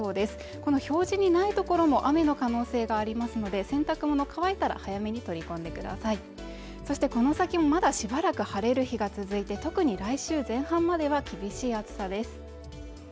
この表示にない所も雨の可能性がありますので洗濯物乾いたら早めに取り込んでくださいそしてこの先もまだしばらく晴れる日が続いて特に来週前半までは厳しい暑さです